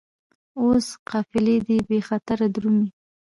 اوس قافلې دي بې خطره درومي